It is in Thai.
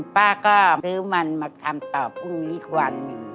ป้าก็ซื้อมันมาทำต่อพรุ่งนี้ควัน